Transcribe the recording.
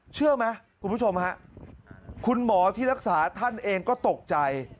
เชื่อไหมคุณผู้ชมฮะคุณหมอที่รักษาท่านเองก็ตกใจ